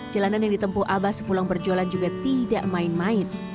jalanan yang ditempuh abah sepulang berjualan juga tidak main main